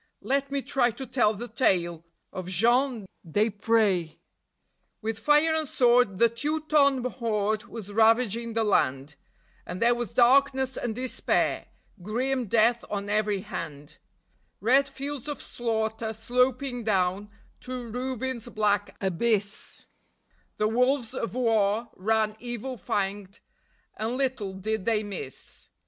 Let me try to tell the tale of Jean Desprez. With fire and sword the Teuton horde was ravaging the land, And there was darkness and despair, grim death on every hand; Red fields of slaughter sloping down to ruin's black abyss; The wolves of war ran evil fanged, and little did they miss.